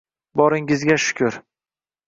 Boringizga shukr.